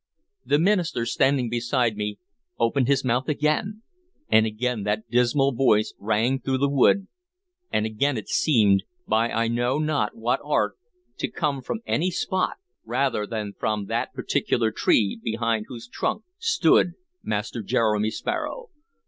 The minister, standing beside me, opened his mouth again, and again that dismal voice rang through the wood, and again it seemed, by I know not what art, to come from any spot rather than from that particular tree behind whose trunk stood Master Jeremy Sparrow.